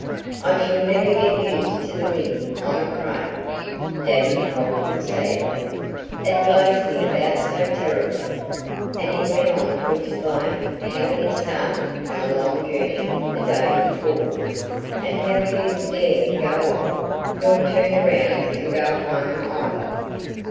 "I shall never get used to the wind, I'm afraid," Daddy told him sadly. "It blows me about so terribly." And he went on to explain how he had started on a long journey the day before, and how he didn't dare go on nor turn around and go home, either.